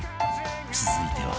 続いては